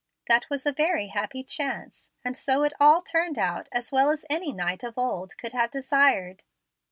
That was a very happy chance, and so it all turned out as well as any knight of old could have desired."